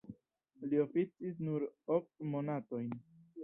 Li oficis nur ok monatojn.